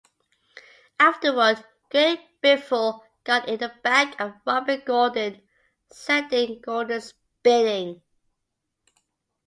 Afterward, Greg Biffle got in the back of Robby Gordon sending Gordon spinning.